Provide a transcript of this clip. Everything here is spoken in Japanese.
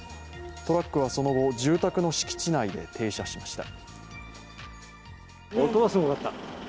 トラックはその後、住宅の敷地内で停車しました。